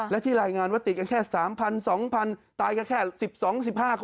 และที่รายงานว่าติดกันแค่๓๐๐๒๐๐ตายก็แค่๑๒๑๕คน